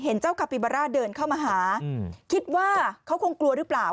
เจ้าคาปิบาร่าเดินเข้ามาหาคิดว่าเขาคงกลัวหรือเปล่า